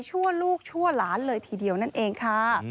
ลูกชั่วหลานเลยทีเดียวนั่นเองค่ะ